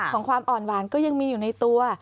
ของความอ่อนหวานก็ยังมีอยู่ในตัว